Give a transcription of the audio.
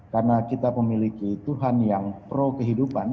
karena kita memiliki tuhan yang pro kehidupan